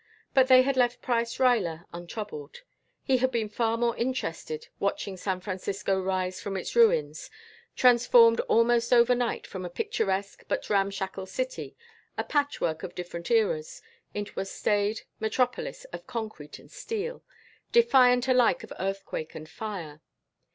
But they had left Price Ruyler untroubled. He had been far more interested watching San Francisco rise from its ruins, transformed almost overnight from a picturesque but ramshackle city, a patchwork of different eras, into a staid metropolis of concrete and steel, defiant alike of earthquake and fire.